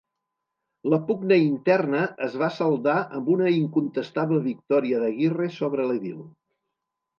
La pugna interna es va saldar amb una incontestable victòria d'Aguirre sobre l'edil.